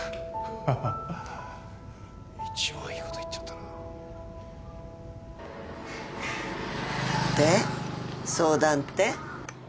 ハハッ一番いいこと言っちゃったなで相談って？